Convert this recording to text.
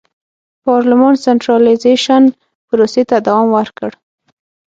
پارلمان سنټرالیزېشن پروسې ته دوام ورکړ.